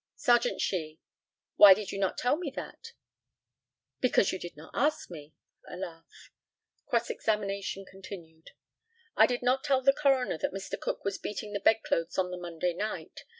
Serjeant SHEE: Why did not you tell me that? Because you did not ask me. (A laugh.) Cross examination continued: I did not tell the coroner that Mr. Cook was beating the bedclothes on the Monday night.